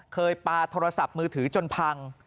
ปลาโทรศัพท์มือถือจนพัง